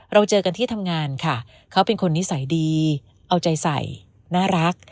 เราเจอกันที่ทำงานค่ะเขาเป็นคนนิสัยดีเอาใจใส่น่ารัก